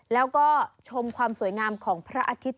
แล้วก็ชมความสวยงามของพระอาทิตย์